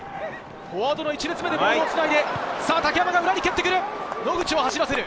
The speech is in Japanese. フォワードの１列目でボールをつなげ、竹山が裏に蹴ってくる。